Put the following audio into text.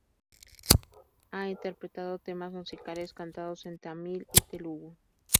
Ha interpretado temas musicales cantados en tamil y telugu.